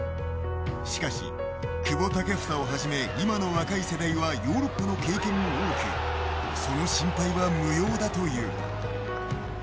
しかし久保建英をはじめ今の若い世代はヨーロッパの経験も多くその心配は無用だという。